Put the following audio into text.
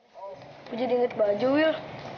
gue jadi inget baju wil